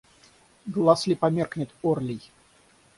Глаз ли померкнет орлий?